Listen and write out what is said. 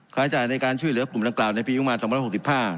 ภายใจในการชื่อเหลือปุ่มดังกล่าวในปียุงมานสองหมื่นหกสิบห้า